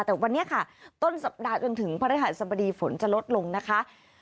แต่วันนี้ค่ะต้นสัปดาห์จนถึงพระฤหัสบดีฝนจะลดลงนะคะ